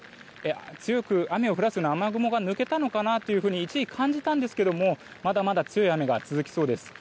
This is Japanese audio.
強く雨を降らす雨雲が抜けたのかなと一時期、感じたんですけれどもまだまだ強い雨が続きそうです。